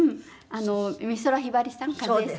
美空ひばりさん和枝さん。